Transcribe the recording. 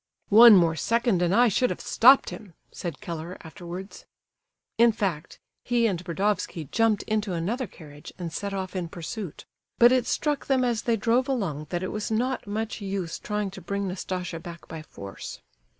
"One more second and I should have stopped him," said Keller, afterwards. In fact, he and Burdovsky jumped into another carriage and set off in pursuit; but it struck them as they drove along that it was not much use trying to bring Nastasia back by force.